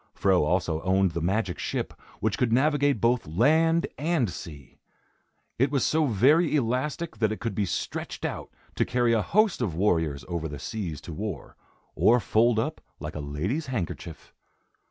Fro also owned the magic ship, which could navigate both land and sea. It was so very elastic that it could be stretched out to carry a host of warriors over the seas to war, or fold up like a lady's handkerchief.